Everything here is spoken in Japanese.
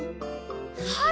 はい！